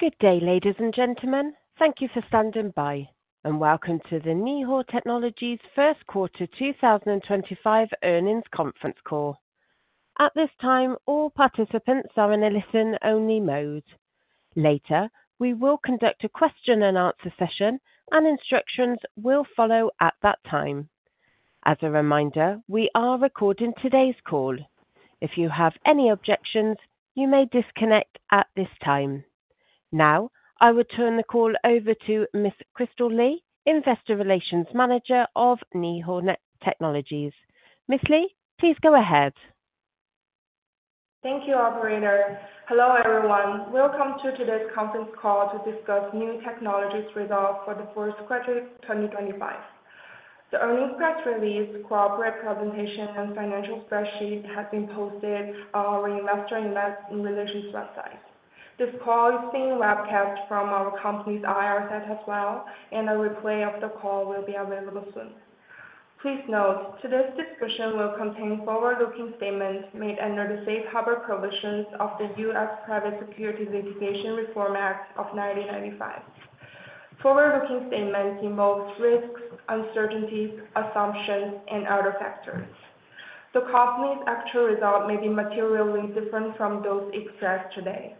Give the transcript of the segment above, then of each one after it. Good day, ladies and gentlemen. Thank you for standing by, and welcome to the Niu Technologies' First Quarter 2025 Earnings Conference Call. At this time, all participants are in a listen-only mode. Later, we will conduct a question-and-answer session, and instructions will follow at that time. As a reminder, we are recording today's call. If you have any objections, you may disconnect at this time. Now, I will turn the call over to Ms. Kristal Li, Investor Relations Manager of Niu Technologies. Ms. Lee, please go ahead. Thank you, operator. Hello, everyone. Welcome to today's conference call to discuss Niu Technologies results for the first quarter 2025. The earnings press release, corporate presentation, and financial spreadsheet have been posted on our investor relations website. This call is being webcast from our company's IR as well, and a replay of the call will be available soon. Please note, today's discussion will contain forward-looking statements made under the Safe Harbor provisions of the U.S. Private Securities Litigation Reform Act of 1995. Forward-looking statements involve risks, uncertainties, assumptions, and other factors. The company's actual result may be materially different from those expressed today.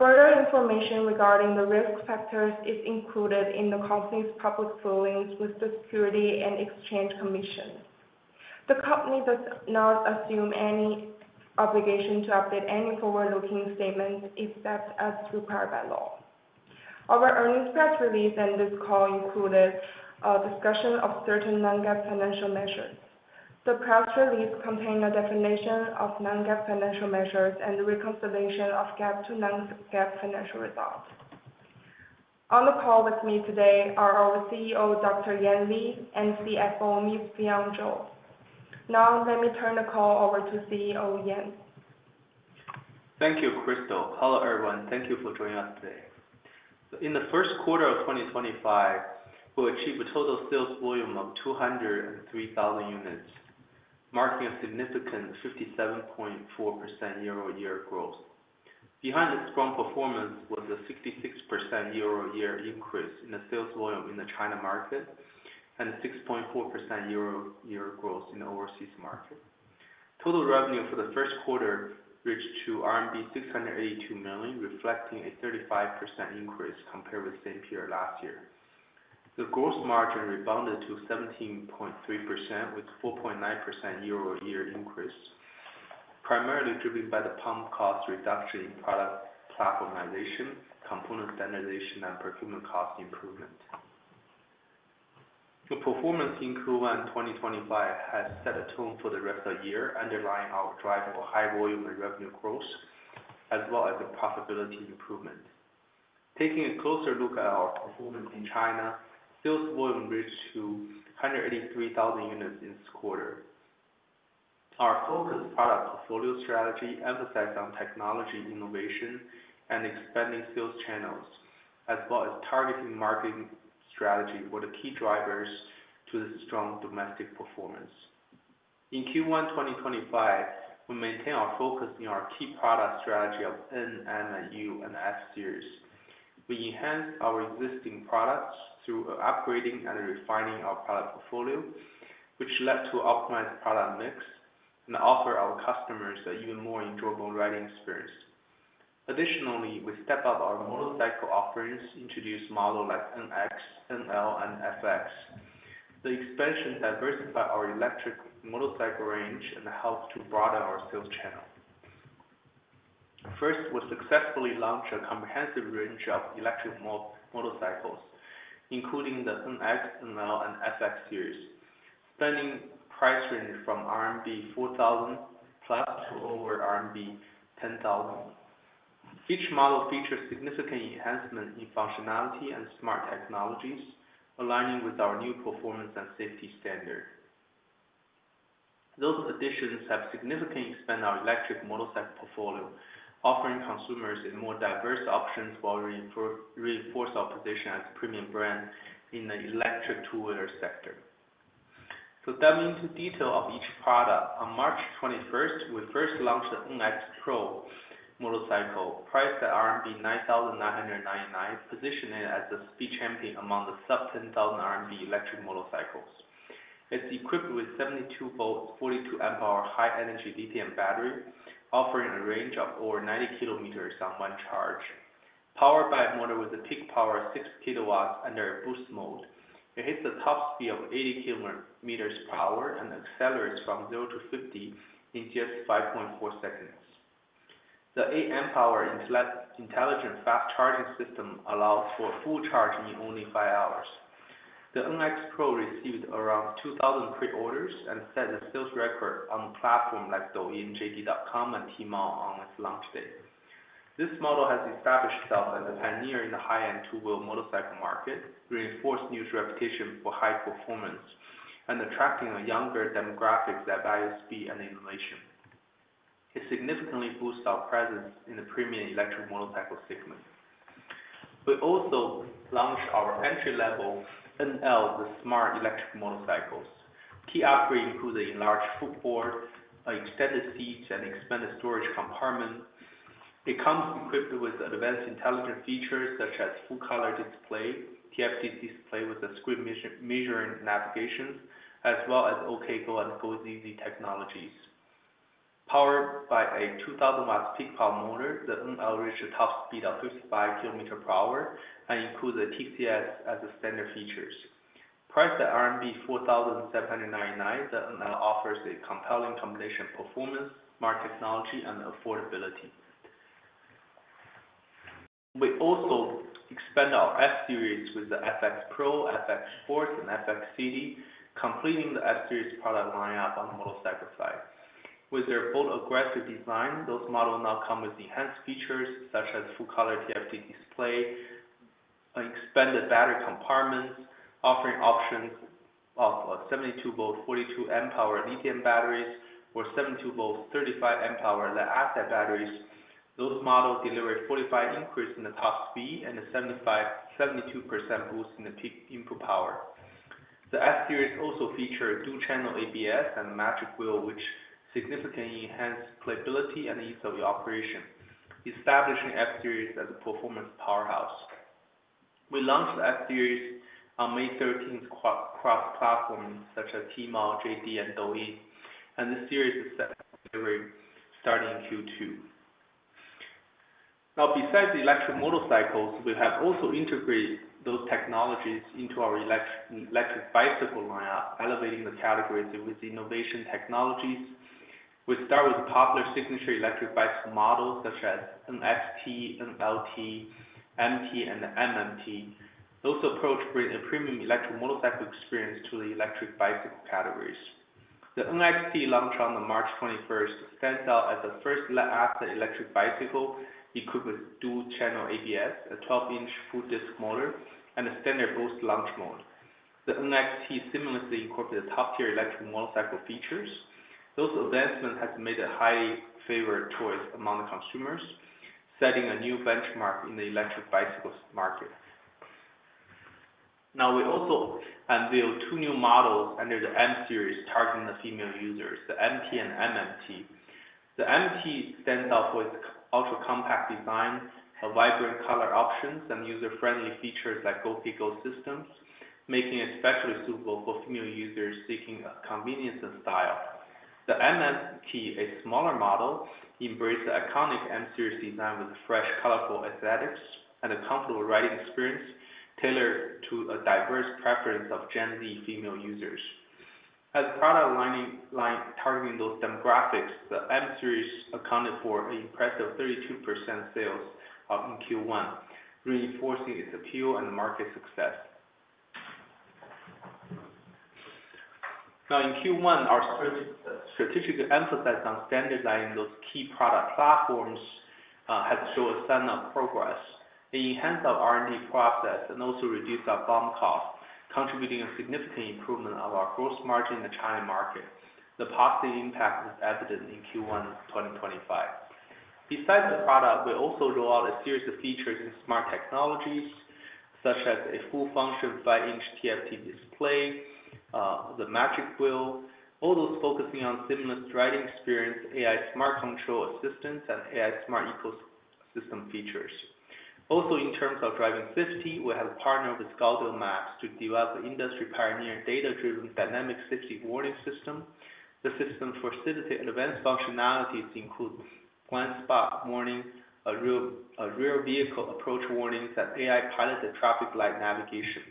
Further information regarding the risk factors is included in the company's public filings with the Securities and Exchange Commission. The company does not assume any obligation to update any forward-looking statements except as required by law. Our earnings press release and this call include a discussion of certain Non-GAAP financial measures. The press release contains a definition of Non-GAAP financial measures and the reconciliation of GAAP to Non-GAAP financial results. On the call with me today are our CEO, Dr. Yan Li, and CFO, Ms. Fion Zhou. Now, let me turn the call over to CEO Yan. Thank you, Kristal. Hello, everyone. Thank you for joining us today. In the first quarter of 2025, we'll achieve a total sales volume of 203,000 units, marking a significant 57.4% year-over-year growth. Behind this strong performance was a 66% year-over-year increase in the sales volume in the China market and a 6.4% year-over-year growth in the overseas market. Total revenue for the first quarter reached RMB 682 million, reflecting a 35% increase compared with the same period last year. The gross margin rebounded to 17.3% with a 4.9% year-over-year increase, primarily driven by the BOM cost reduction in product platformization, component standardization, and procurement cost improvement. The performance in Q1 2025 has set a tone for the rest of the year, underlying our drive for high volume and revenue growth, as well as the profitability improvement. Taking a closer look at our performance in China, sales volume reached 183,000 units this quarter. Our focus product portfolio strategy emphasizes technology innovation and expanding sales channels, as well as targeting marketing strategy for the key drivers to the strong domestic performance. In Q1 2025, we maintain our focus on our key product strategy of N, M, U, and S series. We enhanced our existing products through upgrading and refining our product portfolio, which led to an optimized product mix and offered our customers an even more enjoyable riding experience. Additionally, we stepped up our motorcycle offerings, introducing models like NX, NL, and FX. The expansion diversified our electric motorcycle range and helped to broaden our sales channel. First, we successfully launched a comprehensive range of electric motorcycles, including the NX, NL, and FX series, spanning price range from RMB 4,000+ to over RMB 10,000. Each model features significant enhancements in functionality and smart technologies, aligning with our new performance and safety standards. Those additions have significantly expanded our electric motorcycle portfolio, offering consumers more diverse options while reinforcing our position as a premium brand in the electric two-wheeler sector. To delve into detail of each product, on March 21st, we first launched the NX Pro motorcycle, priced at RMB 9,999, positioning it as a speed champion among the sub-10,000 RMB electric motorcycles. It's equipped with a 72-volt, 42-amp-hour high-energy lithium battery, offering a range of over 90km on one charge. Powered by a motor with a peak power of 6kW under a boost mode, it hits a top speed of 80km per hour and accelerates from 0km-50km in just 5.4 seconds. The 8-amp-hour intelligent fast charging system allows for full charging in only 5 hours. The NX Pro received around 2,000 pre-orders and set a sales record on platforms like Douyin, JD.com, and Tmall on its launch day. This model has established itself as a pioneer in the high-end two-wheel motorcycle market, reinforcing Niu's reputation for high performance and attracting a younger demographic that values speed and innovation. It significantly boosts our presence in the premium electric motorcycle segment. We also launched our entry-level NL, the smart electric motorcycles. Key upgrades include an enlarged footboard, extended seats, and expanded storage compartments. It comes equipped with advanced intelligent features such as full-color TFT display with a screen measuring navigation, as well as OKGO and GOCC technologies. Powered by a 2,000-watt peak power motor, the NL reaches a top speed of 55km per hour and includes a TCS as a standard feature. Priced at RMB 4,799, the NL offers a compelling combination of performance, smart technology, and affordability. We also expanded our F series with the FX Pro, FX Force, and FX City, completing the F series product lineup on the motorcycle side. With their bold, aggressive design, those models now come with enhanced features such as full-color TFT display, expanded battery compartments, offering options of 72-volt, 42-amp-hour lithium batteries, or 72-volt, 35-amp-hour lead-acid batteries. Those models deliver a 45% increase in the top speed and a 72% boost in the peak input power. The F series also features dual-channel ABS and a matrix wheel, which significantly enhance playability and ease of operation, establishing F series as a performance powerhouse. We launched the F series on May 13th cross-platforms such as Tmall, JD.com, and Douyin, and this series is set to be delivered starting in Q2. Now, besides electric motorcycles, we have also integrated those technologies into our electric bicycle lineup, elevating the categories with innovation technologies. We start with popular signature electric bicycle models such as NXT, NLT, MT, and MMT. Those approaches bring a premium electric motorcycle experience to the electric bicycle categories. The NXT launched on March 21st stands out as the first lead-acid electric bicycle equipped with dual-channel ABS, a 12-inch full-disc motor, and a standard boost launch mode. The NXT seamlessly incorporates top-tier electric motorcycle features. Those advancements have made it a highly favored choice among the consumers, setting a new benchmark in the electric bicycles market. Now, we also unveiled two new models under the M series, targeting the female users, the MT and MMT. The MT stands out for its ultra-compact design, vibrant color options, and user-friendly features like KoPiGo systems, making it especially suitable for female users seeking convenience and style. The MMT, a smaller model, embraces the iconic M series design with fresh, colorful aesthetics and a comfortable riding experience tailored to a diverse preference of Gen Z female users. As a product line targeting those demographics, the M series accounted for an impressive 32% sales in Q1, reinforcing its appeal and market success. Now, in Q1, our strategic emphasis on standardizing those key product platforms has shown a sign of progress. It enhanced our R&D process and also reduced our BOM cost, contributing to a significant improvement of our gross margin in the China market. The positive impact was evident in Q1 2024. Besides the product, we also rolled out a series of features in smart technologies such as a full-function 5-inch TFT display, the magic wheel, all those focusing on seamless riding experience, AI smart control assistance, and AI smart ecosystem features. Also, in terms of driving safety, we have partnered with Google Maps to develop an industry-pioneer data-driven dynamic safety warning system. The system facilitates advanced functionalities to include blind spot warning, rear vehicle approach warnings, and AI-piloted traffic light navigation.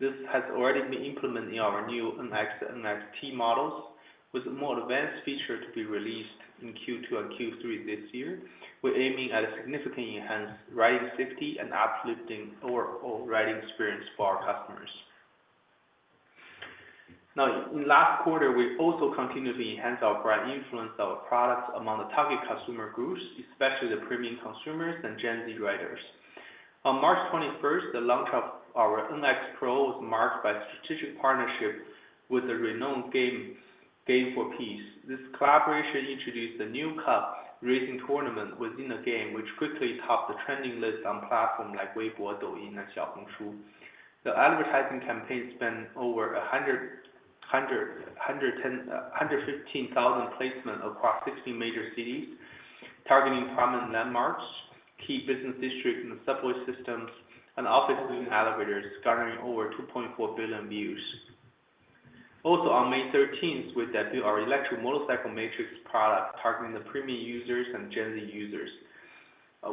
This has already been implemented in our new NX and NXT models, with a more advanced feature to be released in Q2 and Q3 this year. We're aiming at a significantly enhanced riding safety and uplifting overall riding experience for our customers. Now, in the last quarter, we also continued to enhance our broad influence of our products among the target customer groups, especially the premium consumers and Gen Z riders. On March 21st, the launch of our NX Pro was marked by a strategic partnership with the renowned Game for Peace. This collaboration introduced a new cup racing tournament within the game, which quickly topped the trending list on platforms like Weibo, Douyin, and Xiaohongshu. The advertising campaign spanned over 115,000 placements across 16 major cities, targeting prominent landmarks, key business districts, subway systems, and office building elevators, garnering over 2.4 billion views. Also, on May 13th, we debuted our electric motorcycle matrix product targeting the premium users and Gen Z users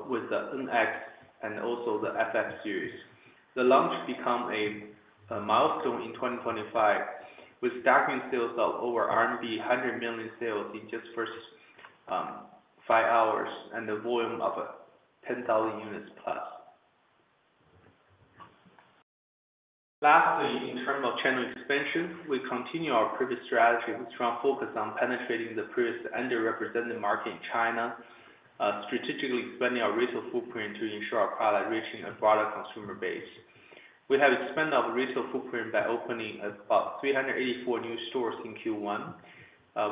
with the NX and also the FX series. The launch became a milestone in 2025, with staggering sales of over RMB 100 million in just the first 5 hours and a volume of 10,000 units plus. Lastly, in terms of channel expansion, we continue our previous strategy with a strong focus on penetrating the previously underrepresented market in China, strategically expanding our retail footprint to ensure our product reaches a broader consumer base. We have expanded our retail footprint by opening about 384 new stores in Q1,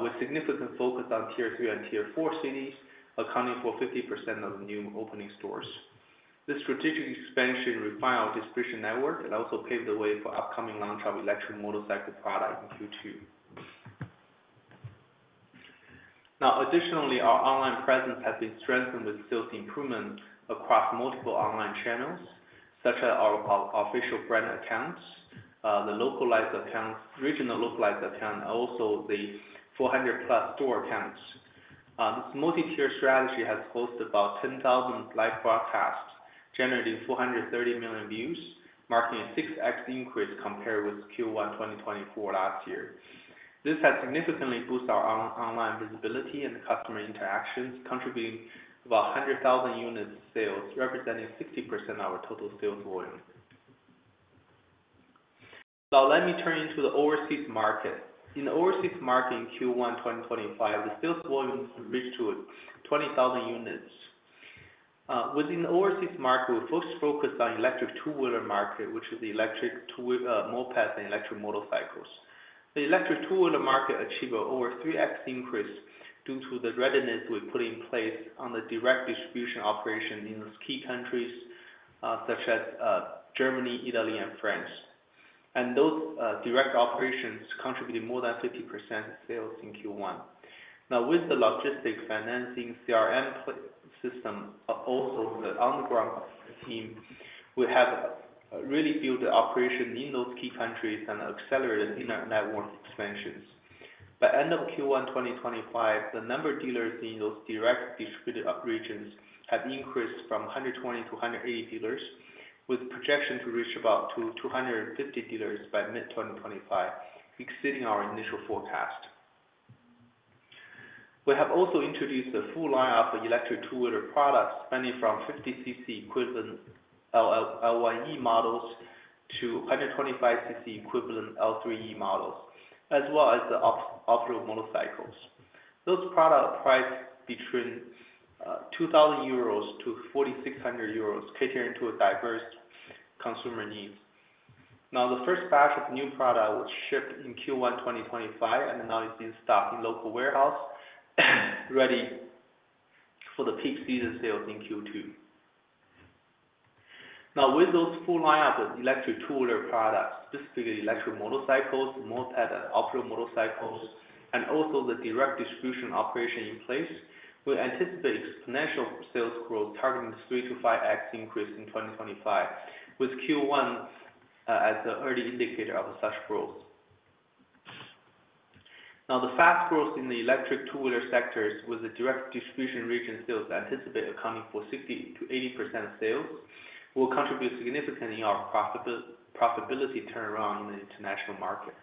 with significant focus on Tier 3 and Tier 4 cities, accounting for 50% of the new opening stores. This strategic expansion refined our distribution network and also paved the way for the upcoming launch of electric motorcycle products in Q2. Now, additionally, our online presence has been strengthened with sales improvements across multiple online channels, such as our official brand accounts, the regional localized accounts, and also the 400-plus store accounts. This multi-tier strategy has hosted about 10,000 live broadcasts, generating 430 million views, marking a 6x increase compared with Q1 2024 last year. This has significantly boosted our online visibility and customer interactions, contributing to about 100,000 units sales, representing 60% of our total sales volume. Now, let me turn into the overseas market. In the overseas market in Q1 2025, the sales volume reached 20,000 units. Within the overseas market, we first focused on the electric two-wheeler market, which is the electric mopeds and electric motorcycles. The electric two-wheeler market achieved an over 3x increase due to the readiness we put in place on the direct distribution operation in key countries such as Germany, Italy, and France. Those direct operations contributed more than 50% sales in Q1. Now, with the logistics financing CRM system, also the on-the-ground team, we have really built the operation in those key countries and accelerated internet network expansions. By the end of Q1 2025, the number of dealers in those direct distributed regions had increased from 120 dealers-180 dealers, with projections to reach about 250 dealers by mid-2025, exceeding our initial forecast. We have also introduced a full lineup of electric two-wheeler products spanning from 50 cc equivalent LYE models to 125 cc equivalent Ultra E models, as well as the off-road motorcycles. Those products priced between 2,000-4,600 euros cater to diverse consumer needs. The first batch of new products was shipped in Q1 2025, and now it's in stock in local warehouses, ready for the peak season sales in Q2. Now, with those full lineup of electric two-wheeler products, specifically electric motorcycles, mopeds, and off-road motorcycles, and also the direct distribution operation in place, we anticipate exponential sales growth targeting a 3x-5x increase in 2025, with Q1 as an early indicator of such growth. Now, the fast growth in the electric two-wheeler sectors with the direct distribution region sales anticipated accounting for 60%-80% of sales will contribute significantly to our profitability turnaround in the international market.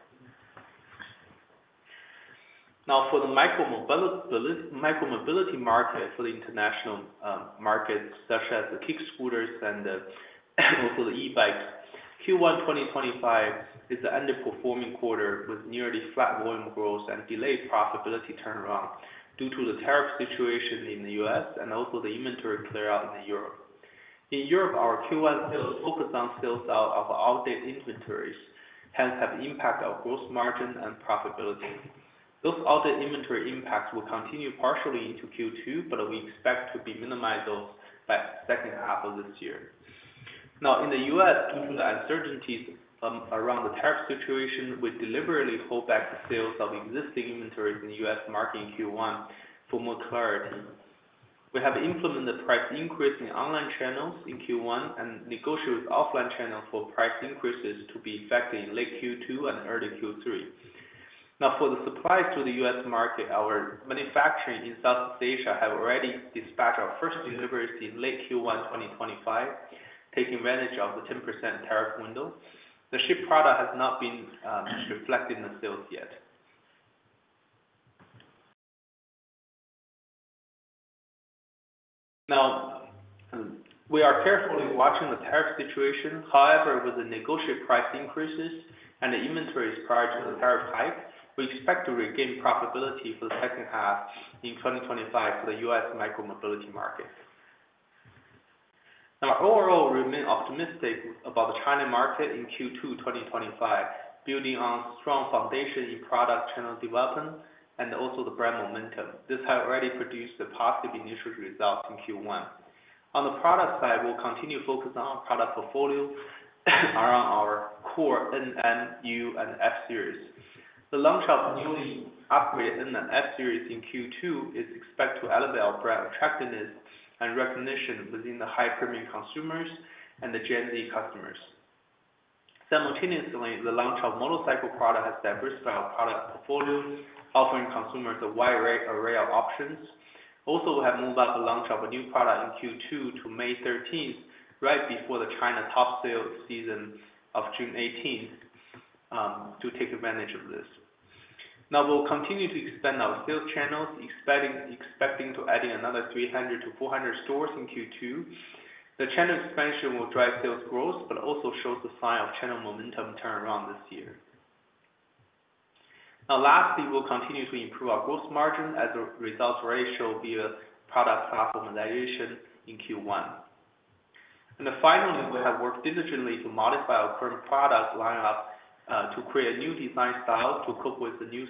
Now, for the micromobility market for the international markets, such as the kick-scooters and also the e-bikes, Q1 2025 is an underperforming quarter with nearly flat volume growth and delayed profitability turnaround due to the tariff situation in the U.S. and also the inventory clearout in Europe. In Europe, our Q1 sales focused on sales out of outdated inventories, hence have impacted our gross margin and profitability. Those outdated inventory impacts will continue partially into Q2, but we expect to be minimized by the second half of this year. Now, in the U.S. due to the uncertainties around the tariff situation, we deliberately hold back the sales of existing inventories in the U.S. market in Q1 for more clarity. We have implemented price increases in online channels in Q1 and negotiated with offline channels for price increases to be effective in late Q2 and early Q3. Now, for the supplies to the U.S. market, our manufacturing in Southeast Asia has already dispatched our first deliveries in late Q1 2025, taking advantage of the 10% tariff window. The shipped product has not been reflected in the sales yet. Now, we are carefully watching the tariff situation. However, with the negotiated price increases and the inventories prior to the tariff hike, we expect to regain profitability for the second half in 2025 for the U.S. micromobility market. Now, overall, we remain optimistic about the China market in Q2 2025, building on a strong foundation in product channel development and also the brand momentum. This has already produced positive initial results in Q1. On the product side, we'll continue to focus on our product portfolio around our core NM, U, and F series. The launch of the newly upgraded NM F series in Q2 is expected to elevate our brand attractiveness and recognition within the high premium consumers and the Gen Z customers. Simultaneously, the launch of motorcycle products has diversified our product portfolio, offering consumers a wide array of options. Also, we have moved out the launch of a new product in Q2 to May 13th, right before the China top sales season of June 18th, to take advantage of this. Now, we'll continue to expand our sales channels, expecting to add another 300-400 stores in Q2. The channel expansion will drive sales growth, but also shows the sign of channel momentum turnaround this year. Lastly, we'll continue to improve our gross margin as a result of the ratio via product platform evaluation in Q1. Finally, we have worked diligently to modify our current product lineup to create a new design style to cope with the new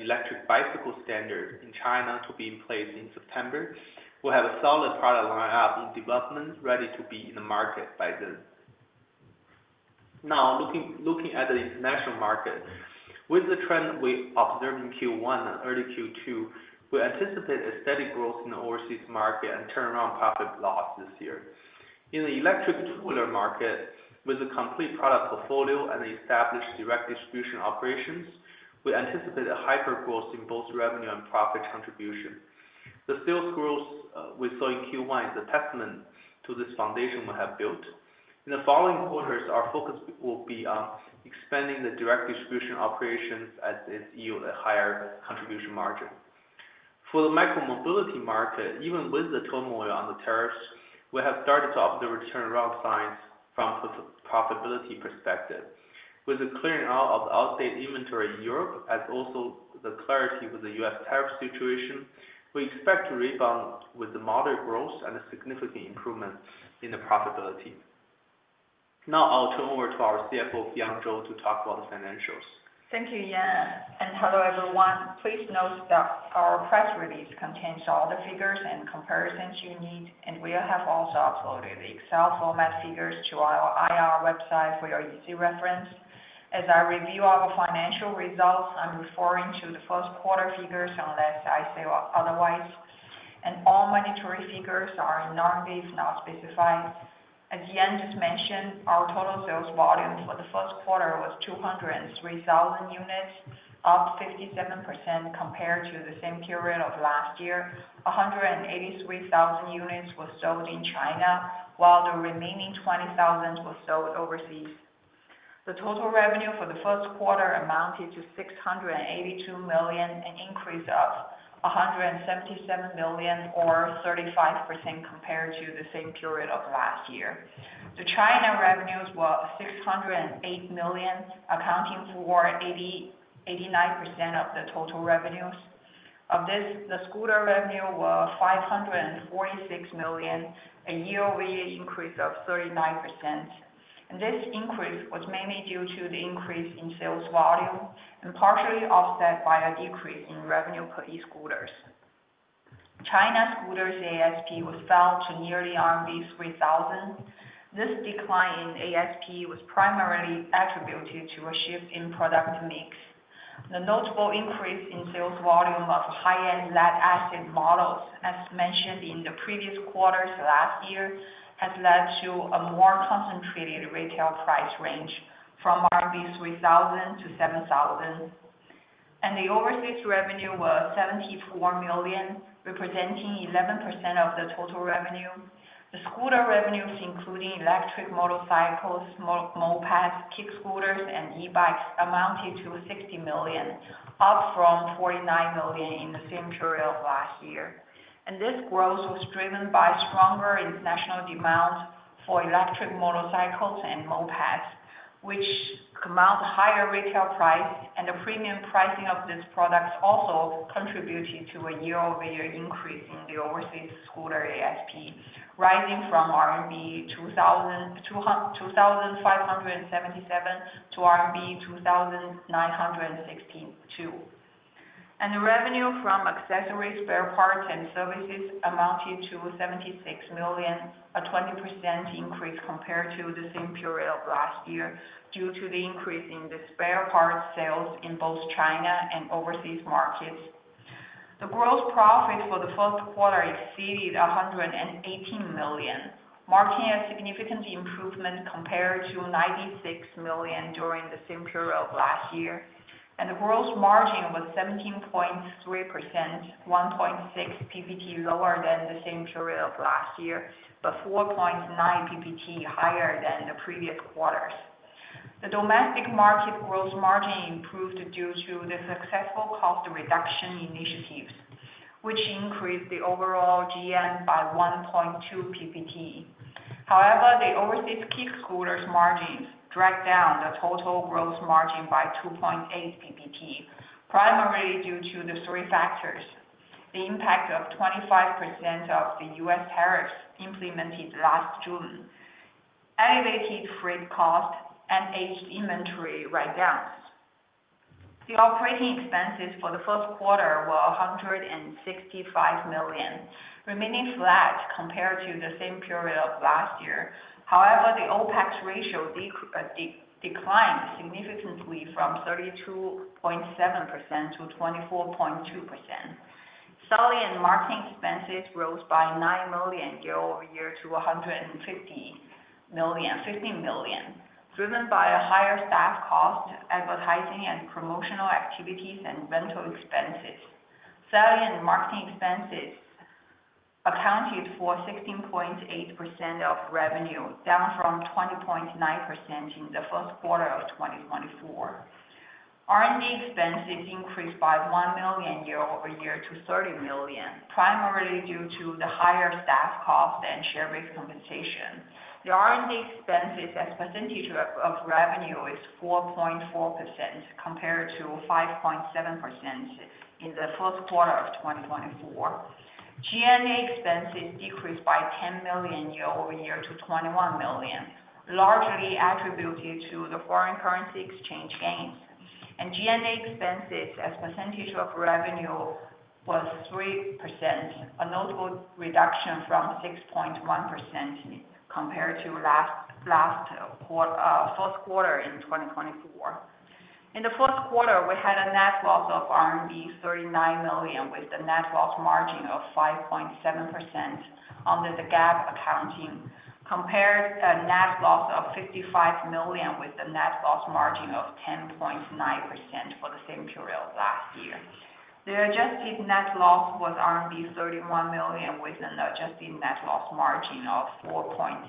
electric bicycle standard in China to be in place in September. We have a solid product lineup in development, ready to be in the market by then. Now, looking at the international market, with the trend we observed in Q1 and early Q2, we anticipate a steady growth in the overseas market and turnaround profit loss this year. In the electric two-wheeler market, with a complete product portfolio and established direct distribution operations, we anticipate a hyper growth in both revenue and profit contribution. The sales growth we saw in Q1 is a testament to this foundation we have built. In the following quarters, our focus will be on expanding the direct distribution operations as it yields a higher contribution margin. For the micromobility market, even with the turmoil on the tariffs, we have started to observe return-around signs from a profitability perspective. With the clearing out of the outdated inventory in Europe and also the clarity with the U.S. tariff situation, we expect to rebound with the moderate growth and a significant improvement in the profitability. Now, I'll turn over to our CFO, Fion Zhou, to talk about the financials. Thank you, Yan. And hello, everyone. Please note that our press release contains all the figures and comparisons you need, and we have also uploaded the Excel format figures to our IR website for your easy reference. As I review our financial results, I'm referring to the first quarter figures unless I say otherwise. All monetary figures are in RMB, unless specified. As Yan just mentioned, our total sales volume for the first quarter was 203,000 units, up 57% compared to the same period of last year. 183,000 units were sold in China, while the remaining 20,000 were sold overseas. The total revenue for the first quarter amounted to 682 million and increased by 177 million, or 35%, compared to the same period of last year. The China revenues were 608 million, accounting for 89% of the total revenues. Of this, the scooter revenue was 546 million, a year-over-year increase of 39%. This increase was mainly due to the increase in sales volume and partially offset by a decrease in revenue per e-scooter. China scooters ASP fell to nearly RMB 3,000. This decline in ASP was primarily attributed to a shift in product mix. The notable increase in sales volume of high-end lead-acid models, as mentioned in the previous quarters last year, has led to a more concentrated retail price range from 3,000-7,000 RMB. The overseas revenue was 74 million, representing 11% of the total revenue. The scooter revenues, including electric motorcycles, mopeds, kick-scooters, and e-bikes, amounted to 60 million, up from 49 million in the same period of last year. This growth was driven by stronger international demand for electric motorcycles and mopeds, which command a higher retail price, and the premium pricing of these products also contributed to a year-over-year increase in the overseas scooter ASP, rising from 2,577-2,962 RMB. The revenue from accessories, spare parts, and services amounted to 76 million, a 20% increase compared to the same period of last year due to the increase in the spare parts sales in both China and overseas markets. The gross profit for the first quarter exceeded 118 million, marking a significant improvement compared to 96 million during the same period of last year. The gross margin was 17.3%, 1.6 percentage points lower than the same period of last year, but 4.9 PPT higher than the previous quarters. The domestic market gross margin improved due to the successful cost reduction initiatives, which increased the overall GM by 1.2 PPT. However, the overseas kick-scooters margins dragged down the total gross margin by 2.8 PPT, primarily due to the three factors: the impact of 25% of the U.S. tariffs implemented last June, elevated freight cost, and aged inventory write-downs. The operating expenses for the first quarter were 165 million, remaining flat compared to the same period of last year. However, the OpEx ratio declined significantly from 32.7%-24.2%. Selling and marketing expenses rose by 9 million year-over-year to 150 million, driven by a higher staff cost, advertising and promotional activities, and rental expenses. Selling and marketing expenses accounted for 16.8% of revenue, down from 20.9% in the first quarter of 2024. R&D expenses increased by $1 million year-over-year to $30 million, primarily due to the higher staff cost and share-based compensation. The R&D expenses as percentage of revenue is 4.4% compared to 5.7% in the first quarter of 2024. G&A expenses decreased by $10 million year-over-year to $21 million, largely attributed to the foreign currency exchange gains. G&A expenses as percentage of revenue was 3%, a notable reduction from 6.1% compared to last first quarter in 2024. In the fourth quarter, we had a net loss of RMB 39 million with a net loss margin of 5.7% under the GAAP accounting, compared to a net loss of 55 million with a net loss margin of 10.9% for the same period of last year. The adjusted net loss was RMB 31 million with an adjusted net loss margin of 4.6%.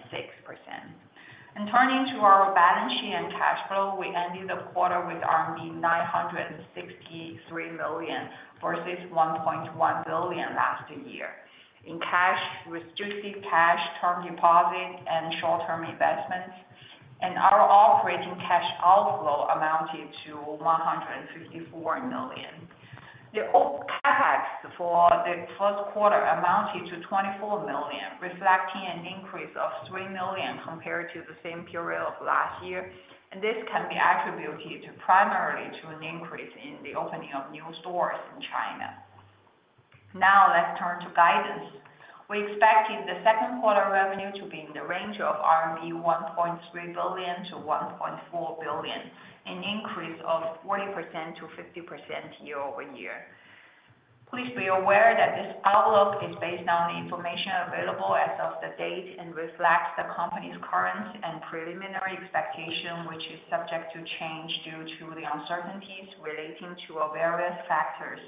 Turning to our balance sheet and cash flow, we ended the quarter with RMB 963 million versus 1.1 billion last year. In cash, we stood the cash term deposit and short-term investments, and our operating cash outflow amounted to 154 million. The CapEx for the first quarter amounted to 24 million, reflecting an increase of 3 million compared to the same period of last year. This can be attributed primarily to an increase in the opening of new stores in China. Now, let's turn to guidance. We expect the second quarter revenue to be in the range of 1.3 billion-1.4 billion RMB, an increase of 40%-50% year-over-year. Please be aware that this outlook is based on the information available as of the date and reflects the company's current and preliminary expectation, which is subject to change due to the uncertainties relating to various factors.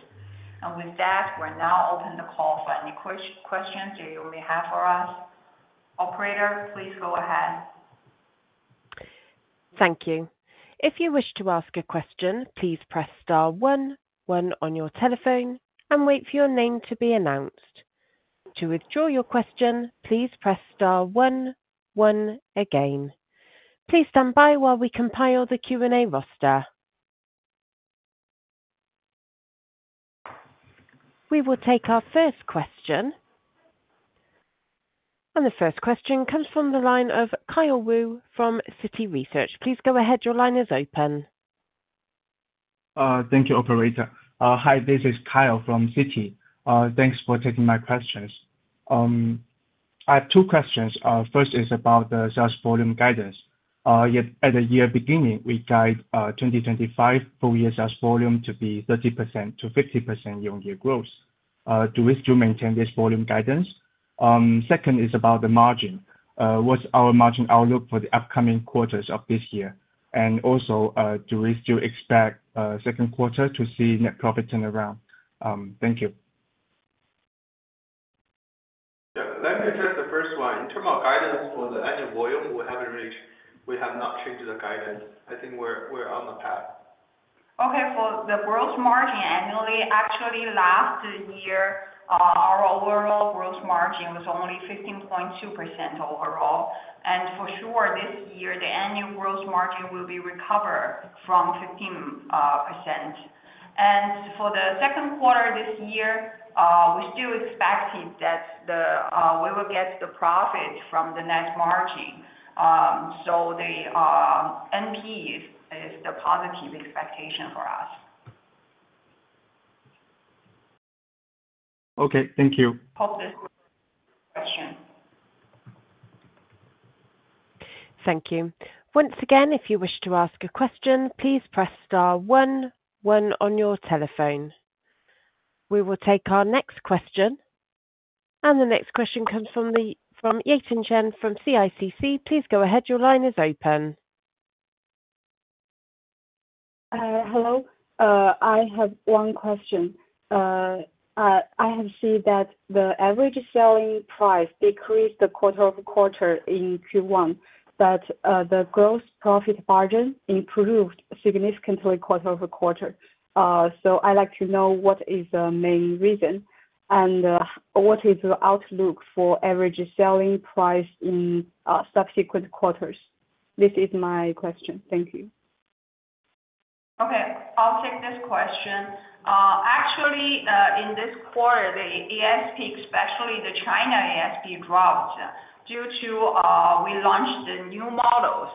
With that, we'll now open the call for any questions that you may have for us. Operator, please go ahead. Thank you. If you wish to ask a question, please press star one one on your telephone, and wait for your name to be announced. To withdraw your question, please press star one one again. Please stand by while we compile the Q&A roster. We will take our first question. The first question comes from the line of Kyle Wu from Citi Research. Please go ahead. Your line is open. Thank you, Operator. Hi, this is Kyle from Citi. Thanks for taking my questions. I have two questions. First is about the sales volume guidance. At the year beginning, we guide 2025 full year sales volume to be 30%-50% year-on-year growth. Do we still maintain this volume guidance? Second is about the margin. What's our margin outlook for the upcoming quarters of this year? And also, do we still expect second quarter to see net profit turnaround? Thank you. Let me take the first one. In terms of guidance for the annual volume, we have not changed the guidance. I think we're on the path. Okay. For the gross margin annually, actually, last year, our overall gross margin was only 15.2% overall. For sure, this year, the annual gross margin will be recovered from 15%. For the second quarter this year, we still expected that we will get the profit from the net margin. The NP is the positive expectation for us. Okay. Thank you. Hope this was a good question. Thank you. Once again, if you wish to ask a question, please press star one one on your telephone. We will take our next question. The next question comes from Yating Chen from CICC. Please go ahead. Your line is open. Hello. I have one question. I have seen that the average selling price decreased quarter over quarter in Q1, but the gross profit margin improved significantly quarter over quarter. I would like to know what is the main reason and what is the outlook for average selling price in subsequent quarters. This is my question. Thank you. Okay. I'll take this question. Actually, in this quarter, the ASP, especially the China ASP, dropped due to we launched the new models.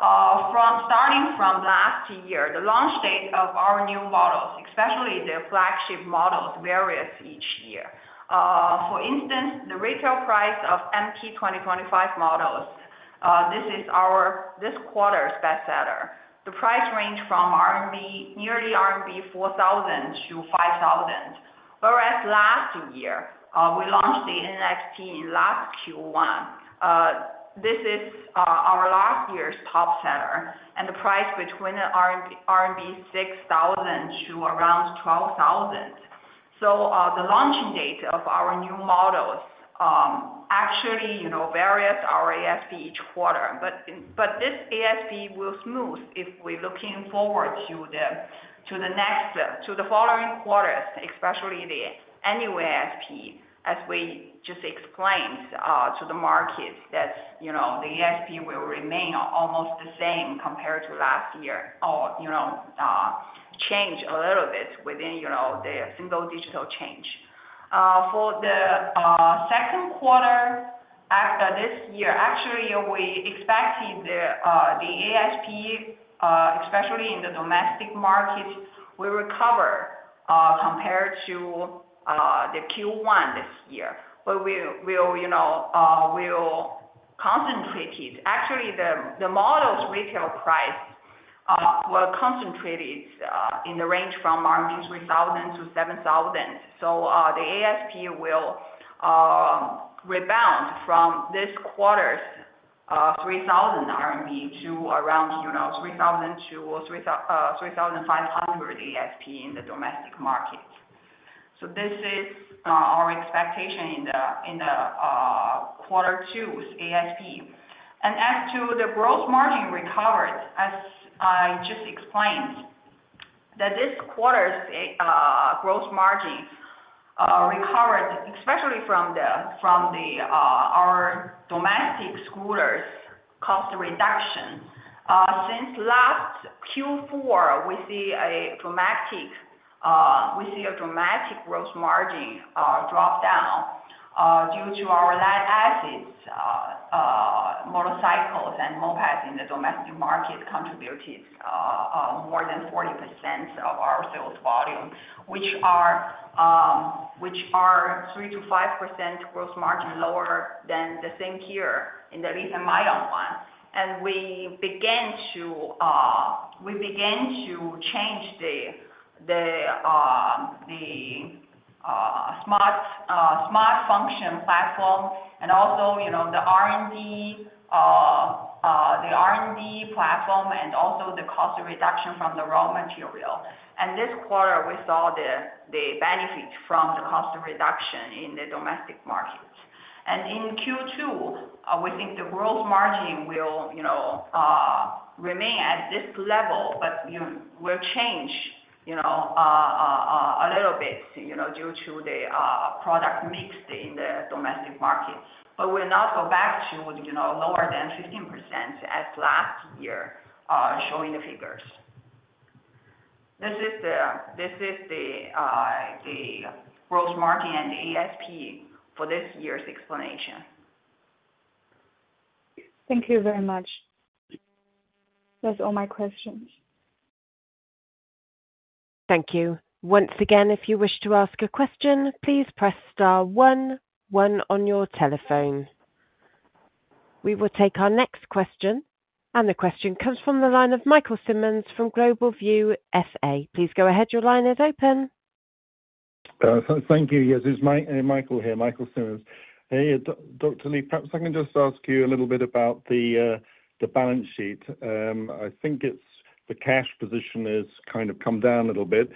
Starting from last year, the launch date of our new models, especially the flagship models, varies each year. For instance, the retail price of MT 2025 models, this is our this quarter's best seller. The price ranged from nearly 4,000-5,000 RMB. Whereas last year, we launched the NXT in last Q1. This is our last year's top seller, and the price between RMB 6,000 to around 12,000. The launching date of our new models actually varies our ASP each quarter. This ASP will smooth if we're looking forward to the next to the following quarters, especially the annual ASP, as we just explained to the market that the ASP will remain almost the same compared to last year or change a little bit within the single digital change. For the second quarter after this year, actually, we expected the ASP, especially in the domestic market, will recover compared to the Q1 this year. We'll concentrate it. Actually, the model's retail price will concentrate it in the range from 3,000-7,000 RMB. The ASP will rebound from this quarter's 3,000 RMB to around 3,000-3,500 ASP in the domestic market. This is our expectation in the quarter two's ASP. As to the gross margin recovered, as I just explained, this quarter's gross margin recovered, especially from our domestic scooters' cost reduction. Since last Q4, we see a dramatic gross margin drop down due to our lead-acid motorcycles and mopeds in the domestic market contributed more than 40% of our sales volume, which are 3%-5% gross margin lower than the same year in the lithium-ion one. We began to change the smart function platform and also the R&D platform and also the cost reduction from the raw material. This quarter, we saw the benefit from the cost reduction in the domestic market.In Q2, we think the gross margin will remain at this level, but will change a little bit due to the product mix in the domestic market. It will not go back to lower than 15% as last year showing the figures. This is the gross margin and the ASP for this year's explanation. Thank you very much. That's all my questions. Thank you. Once again, if you wish to ask a question, please press star one one on your telephone. We will take our next question. The question comes from the line of Michael Simmonds from GlobalView SA. Please go ahead. Your line is open. Thank you. Yes, it's Michael here, Michael Simmonds. Hey, Dr. Li, perhaps I can just ask you a little bit about the balance sheet. I think the cash position has kind of come down a little bit.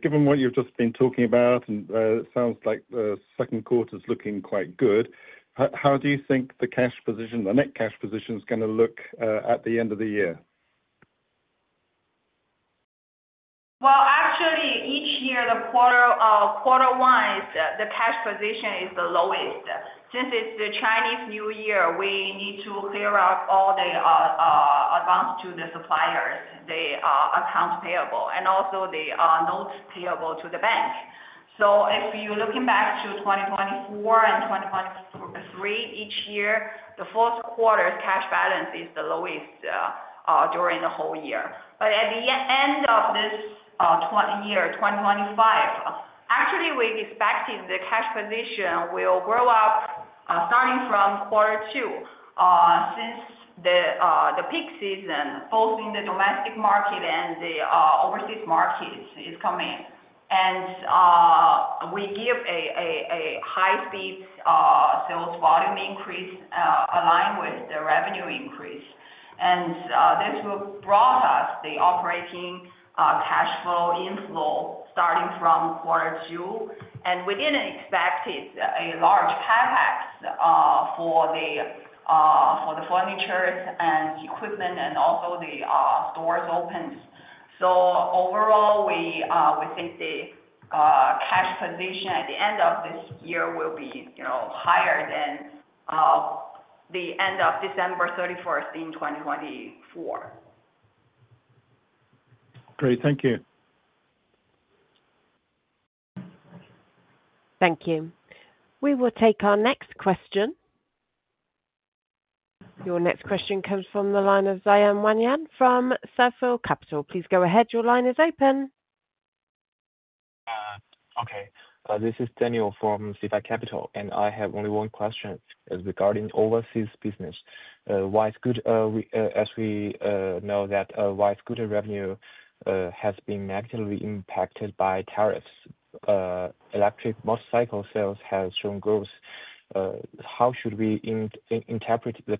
Given what you've just been talking about, and it sounds like the second quarter's looking quite good, how do you think the cash position, the net cash position, is going to look at the end of the year? Actually, each year, quarter-wise, the cash position is the lowest. Since it's the Chinese New Year, we need to clear up all the advance to the suppliers, the accounts payable, and also the notes payable to the bank. If you're looking back to 2024 and 2023 each year, the fourth quarter's cash balance is the lowest during the whole year. At the end of this year, 2025, actually, we expect the cash position will grow up starting from quarter two since the peak season, both in the domestic market and the overseas markets, is coming. We give a high-speed sales volume increase aligned with the revenue increase. This will broaden the operating cash flow inflow starting from quarter two. We did not expect a large CapEx for the furniture and equipment and also the stores opens. Overall, we think the cash position at the end of this year will be higher than the end of December 31st in 2024. Great. Thank you. Thank you. We will take our next question. Your next question comes from the line of Zion Wanyan from Seville Capital. Please go ahead. Your line is open. Okay. This is Daniel from Seville Capital. I have only one question regarding overseas business. As we know, white scooter revenue has been negatively impacted by tariffs. Electric motorcycle sales have shown growth. How should we interpret the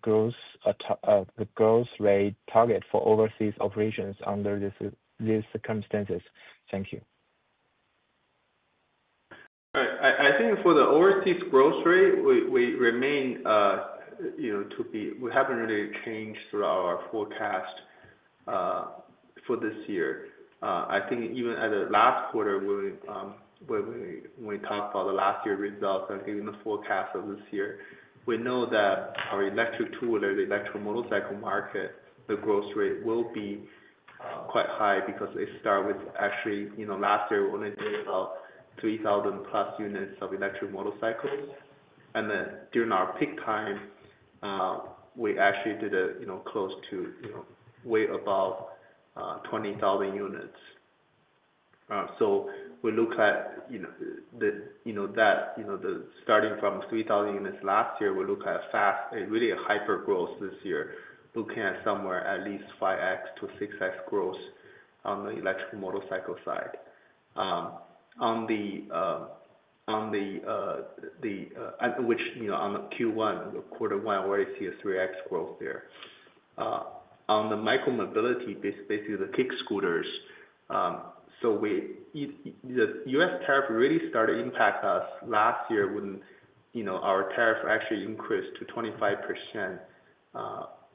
growth rate target for overseas operations under these circumstances? Thank you. I think for the overseas growth rate, we remain to be we haven't really changed our forecast for this year. I think even at the last quarter, when we talked about the last year's results, I think in the forecast of this year, we know that our electric two-wheeler or the electric motorcycle market, the growth rate will be quite high because it started with actually last year, we only did about 3,000+ units of electric motorcycles. And then during our peak time, we actually did close to way above 20,000 units. We look at that, starting from 3,000 units last year, we look at a fast, really a hyper growth this year, looking at somewhere at least 5x-6x growth on the electric motorcycle side. On which in Q1, quarter one, already see a 3x growth there. On the micromobility, basically the kick-scooters. The U.S. tariff really started to impact us last year when our tariff actually increased to 25%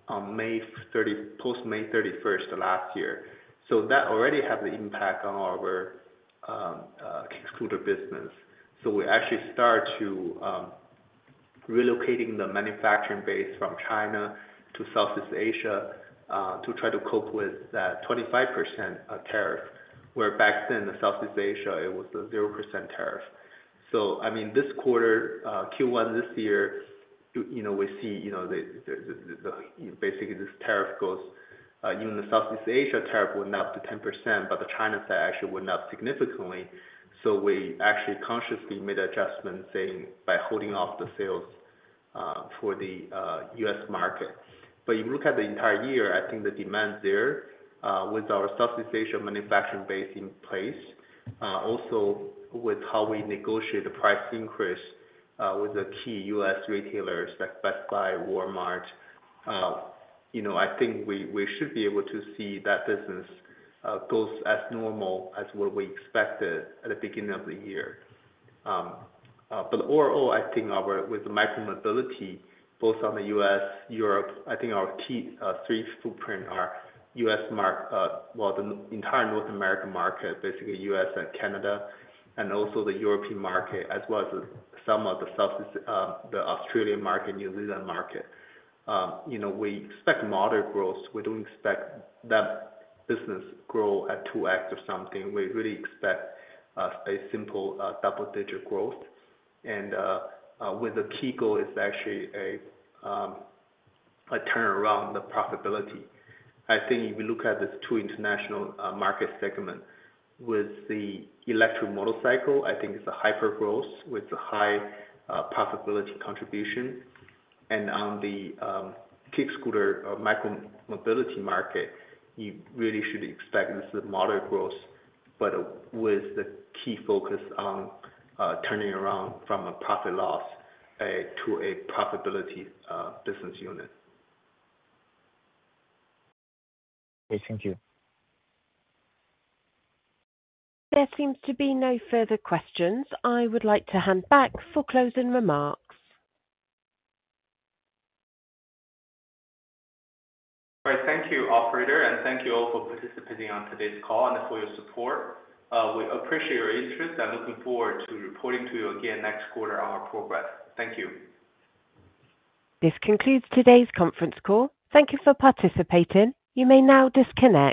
on May 31st, 2023. That already had the impact on our kick-scooter business. We actually started to relocate the manufacturing base from China to Southeast Asia to try to cope with that 25% tariff, where back then in Southeast Asia, it was a 0% tariff. I mean, this quarter, Q1 this year, we see basically this tariff goes, even the Southeast Asia tariff went up to 10%, but the China side actually went up significantly. We actually consciously made adjustments by holding off the sales for the U.S. market. If you look at the entire year, I think the demand there with our Southeast Asia manufacturing base in place, also with how we negotiate the price increase with the key U.S. retailers like Best Buy, Walmart, I think we should be able to see that business go as normal as what we expected at the beginning of the year. Overall, I think with the micromobility, both on the U.S., Europe, I think our key three footprints are U.S. market, well, the entire North American market, basically U.S. and Canada, and also the European market, as well as some of the Australian market, New Zealand market. We expect moderate growth. We do not expect that business grow at 2x or something. We really expect a simple double-digit growth. The key goal is actually a turnaround, the profitability. I think if you look at these two international market segments, with the electric motorcycle, I think it's a hyper growth with a high profitability contribution. On the kick scooter micro mobility market, you really should expect this is moderate growth, but with the key focus on turning around from a profit loss to a profitability business unit. Okay. Thank you. There seems to be no further questions. I would like to hand back for closing remarks. All right. Thank you, Operator. And thank you all for participating on today's call and for your support. We appreciate your interest and looking forward to reporting to you again next quarter on our progress. Thank you. This concludes today's conference call. Thank you for participating. You may now disconnect.